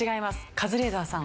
カズレーザーさん。